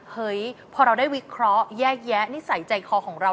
เฮ้ยพอเราได้วิเคราะห์แยกแยะนิสัยใจคอของเรา